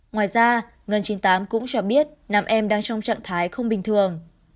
ngoài ra ngân chín mươi tám cũng cho biết nam em đang trong trạng thái không bình thường